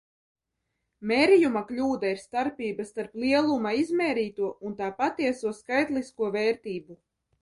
Mērījuma kļūda ir starpība starp lieluma izmērīto un tā patieso skaitlisko vērtību.